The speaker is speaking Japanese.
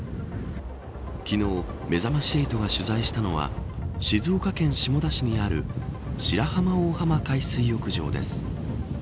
昨日めざまし８が取材したのは静岡県下田市にある白浜大浜海水浴場です。